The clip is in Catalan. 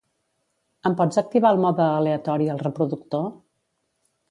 Em pots activar el mode aleatori al reproductor?